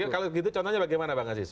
kalau gitu contohnya bagaimana pak ngasis